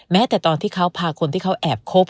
แต่ตอนที่เขาพาคนที่เขาแอบคบ